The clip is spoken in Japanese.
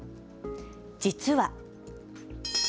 実は。